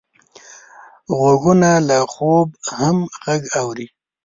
غوږونه له خوبه هم غږ اوري